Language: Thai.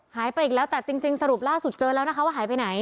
หายไปอีกแล้วแต่จริงสรุปล่าสุดเจอแล้วนะคะว่าหายไปไหน